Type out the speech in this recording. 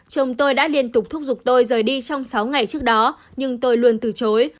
chồng tôi đã liên tục thúc giục tôi rời đi trong sáu ngày trước đó nhưng tôi luôn từ chối